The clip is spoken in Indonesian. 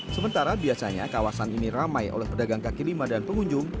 sementara biasanya kawasan ini ramai oleh pedagang kaki lima dan pengunjung